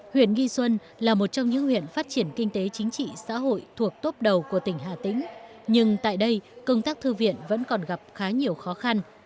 huyện nghi xuân là một trong những huyện phát triển kinh tế chính trị xã hội thuộc tốp đầu của tỉnh hà tĩnh nhưng tại đây công tác thư viện vẫn còn gặp khá nhiều khó khăn